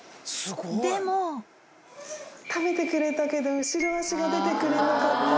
でも食べてくれたけど後ろ足が出てくれなかった。